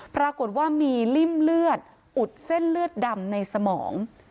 ปรากฏว่ามีริ่มเลือดอุดเส้นเลือดดำในสมอง